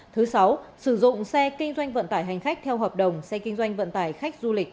thứ sáu sử dụng xe kinh doanh vận tải hành khách theo hợp đồng xe kinh doanh vận tải khách du lịch